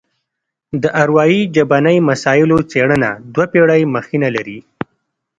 د اروايي ژبني مسایلو څېړنه دوه پېړۍ مخینه لري